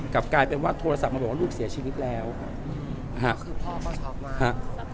กลับกลายเป็นว่าโทรศัพท์มาบอกว่าลูกเสียชีวิตแล้วคือพ่อก็ช็อกมากฮะ